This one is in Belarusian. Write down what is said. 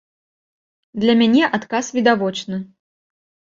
Для мяне адказ відавочны.